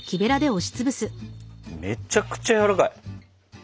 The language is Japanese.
めちゃくちゃやわらかい。